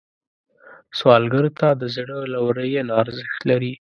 سوالګر ته د زړه لورینه ارزښت لري